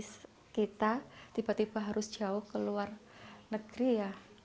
kalau kita tiba tiba harus jauh ke luar negeri ya